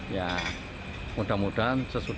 ya mudah mudahan sesudahnya